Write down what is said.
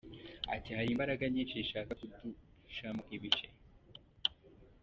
Ati “ Hari imbaraga nyinshi zishaka kuducamo ibice.